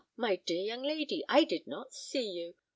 my dear young lady, I did not see you.